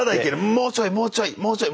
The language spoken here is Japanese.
もうちょいもうちょいもうちょい。